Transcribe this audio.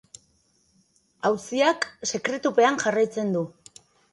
Auziak sekretupean jarraitzen du.